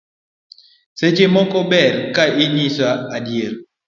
Seche moko ber ka inyisi adier